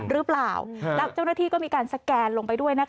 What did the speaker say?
รึเปล่าแล้วก็เจ้าหน้าที่ก็มีการสกแกนลงไปด้วย